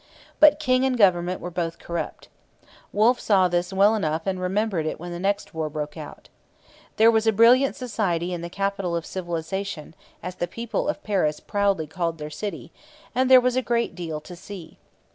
But king and government were both corrupt. Wolfe saw this well enough and remembered it when the next war broke out. There was a brilliant society in 'the capital of civilization,' as the people of Paris proudly called their city; and there was a great deal to see.